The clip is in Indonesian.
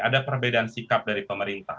ada perbedaan sikap dari pemerintah